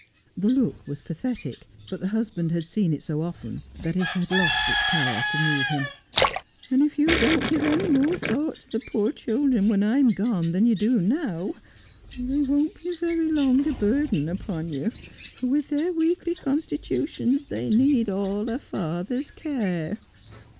The look was pathetic, but the husband had seen it so often that it had lost its power to move him. ' And if you don't give any more thought to the poor children when I am gone than you do now, they won't be very long a burden upon you, for with their weakly constitutions they need all a fathers care.'